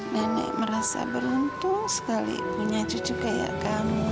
nenek merasa beruntung sekali punya cucu kayak kamu